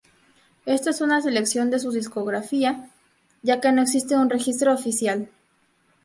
Esta es una selección de su discografía, ya que no existe un registro oficial.